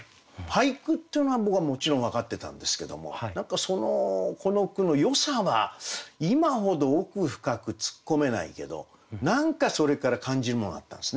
俳句っていうのは僕はもちろん分かってたんですけども何かこの句のよさは今ほど奥深く突っ込めないけど何かそれから感じるものがあったんですね。